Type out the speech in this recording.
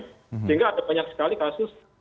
sehingga ada banyak sekali kasus